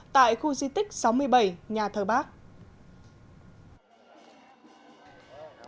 tại khu di tích sáu mươi bảy nhà thờ bác